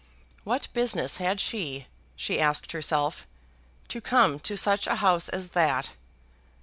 What business had she, she asked herself, to come to such a house as that?